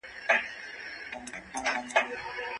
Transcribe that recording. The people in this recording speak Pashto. د هغې وېښتان په دې لاره کې سپین شول.